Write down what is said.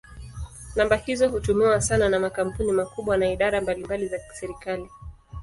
Namba hizo hutumiwa sana na makampuni makubwa na idara mbalimbali za serikali.